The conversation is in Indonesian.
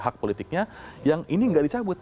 hak politiknya yang ini nggak dicabut